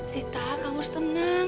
sita kamu harus tenang